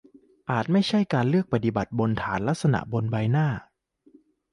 อาจไม่ใช่การเลือกปฏิบัติบนฐานลักษณะใบหน้า